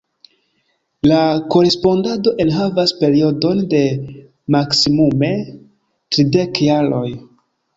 La korespondado enhavas periodon de maksimume tridek jaroj.